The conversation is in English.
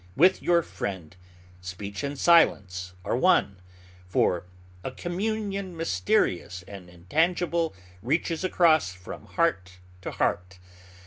With your friend, speech and silence are one; for a communion mysterious and intangible reaches across from heart to heart.